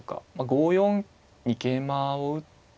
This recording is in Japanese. ５四に桂馬を打って。